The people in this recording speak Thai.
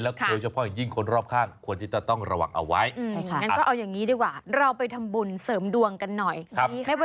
และโดยเฉพาะอย่างยิ่งคนรอบข้างควรจะต้องระวังเอาไว้